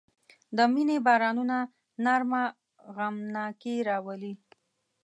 د مني بارانونه نرمه غمناکي راولي